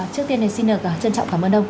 trước tiên xin được trân trọng cảm ơn ông